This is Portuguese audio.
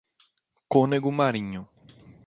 Cônego Marinho